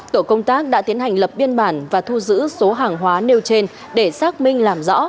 tổ công tác đã tiến hành lập biên bản và thu giữ số hàng hóa nêu trên để xác minh làm rõ